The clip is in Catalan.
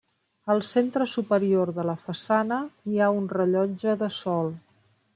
Al centre superior de la façana hi ha un rellotge de sol.